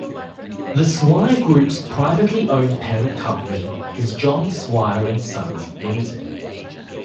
The Swire Group's privately owned parent company is John Swire and Sons Limited.